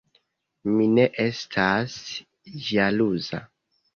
Mi ne estas ĵaluza“.